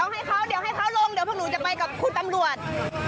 ให้เขาเดี๋ยวให้เขาลงเดี๋ยวพวกหนูจะไปกับคุณตำรวจ